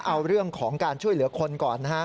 เอาเรื่องของการช่วยเหลือคนก่อนนะฮะ